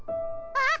あっ。